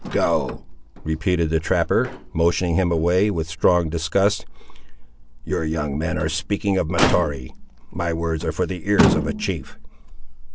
"Go," repeated the trapper, motioning him away, with strong disgust. "Your young men are speaking of Mahtoree. My words are for the ears of a chief."